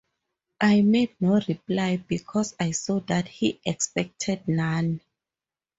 I made no reply, because I saw that he expected none.